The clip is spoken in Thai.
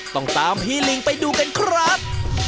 ต้องตามพี่ลิงไปดูกันครับ